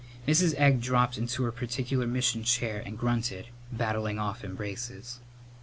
Mrs. Egg dropped into her particular mission chair and grunted, batting off embraces.